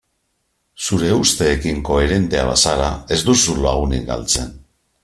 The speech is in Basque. Zure usteekin koherentea bazara ez duzu lagunik galtzen.